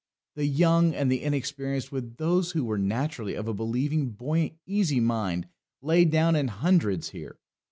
The young and the inexperienced, with those who were naturally of a believing, buoyant, easy mind, lay down in hundreds here.